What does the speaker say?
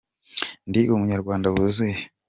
ndi umunyarwanda wuzuye